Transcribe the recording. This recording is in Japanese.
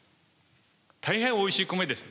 大変おいしいコメです。